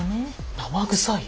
生臭い？